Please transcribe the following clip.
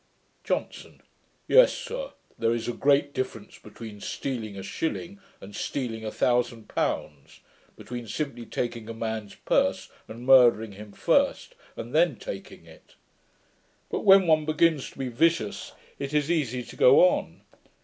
JOHNSON. 'Yes, sir; there is a great difference between stealing a shilling, and stealing a thousand pounds; between simply taking a man's purse, and murdering him first, and then taking it. But when one begins to be vicious, it is easy to go on.